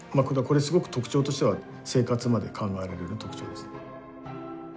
これすごく特徴としては生活まで考えられる特徴です。